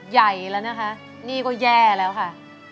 ใหญ่แล้วนะคะนี่ก็แย่แล้วค่ะ